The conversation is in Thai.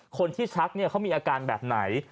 คนที่ชักเขามีอาการแบบไหน